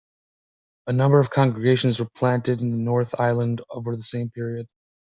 A number of congregations were planted in the North Island over the same period.